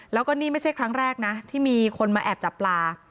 แล้วก็นี่ไม่ใช่ครั้งแรกนะที่มีคนมาแอบจับปลา